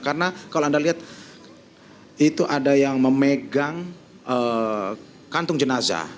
karena kalau anda lihat itu ada yang memegang kantung jenazah